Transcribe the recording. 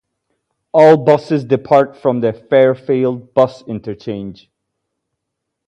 All buses depart from the Fairfield Bus Interchange.